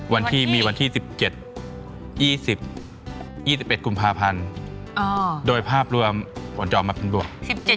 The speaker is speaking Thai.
วันที่มีวันที่๑๗๒๑กุมภาพันธ์โดยภาพรวมผลจะออกมาเป็นบวก๑๗